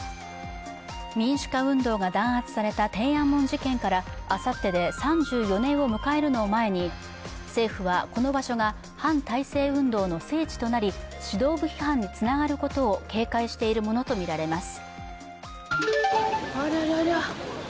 民主化運動が弾圧された天安門事件からあさってで３４年を迎えるのを前に政府は、この場所が反体制運動の聖地となり、指導部批判につながることを警戒しているものとみられます。